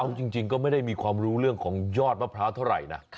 เอาจริงก็ไม่ได้มีความรู้เรื่องของยอดมะพร้าวเท่าไหร่นะ